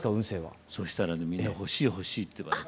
そしたらねみんな欲しい欲しいって言われて。